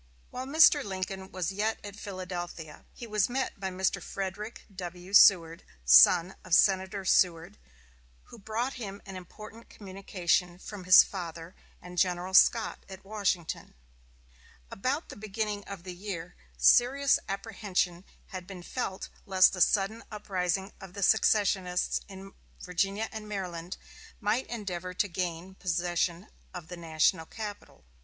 While Mr. Lincoln was yet at Philadelphia, he was met by Mr. Frederick W. Seward, son of Senator Seward, who brought him an important communication from his father and General Scott at Washington. About the beginning of the year serious apprehension had been felt lest a sudden uprising of the secessionists in Virginia and Maryland might endeavor to gain possession of the national capital.